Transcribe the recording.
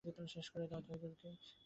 গ্রামের লোক সঠিক খবর রাখে না।